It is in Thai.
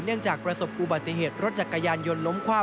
จากประสบอุบัติเหตุรถจักรยานยนต์ล้มคว่ำ